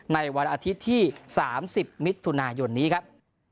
ในวันอาทิตย์ที่๓๐มิถุนายนนี้ครับ